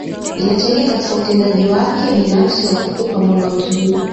Inachangia katika utendaji wako binafsi wa kukupa mwanga mzuri